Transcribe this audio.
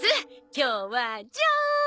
今日はジャーン！